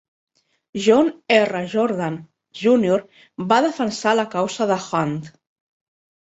John R. Jordan, Junior, va defensar la causa de Hunt.